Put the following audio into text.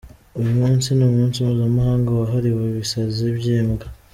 Uyu munsi ni umunsi mpuzamahanga wahariwe ibisazi by’imbwa.